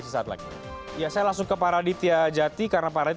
saya langsung ke pak radit ya jati karena pak radit